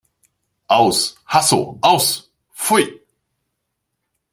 Aus! Hasso, aus! Pfui!